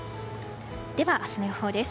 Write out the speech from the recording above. では明日の予報です。